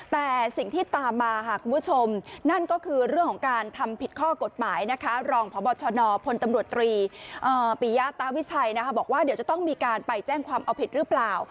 แต่สิ่งที่ตามมาค่ะคุณผู้ชมนั่นก็คือเรื่องของการทำผิดข้อกฎหมายนะคะรองพบชนพลตำรวจตรีปิยะตาวิชัยบอกว่าเดี๋ยวจะต้องมีการไปแจ้งความเอาผิดหรือเปล่า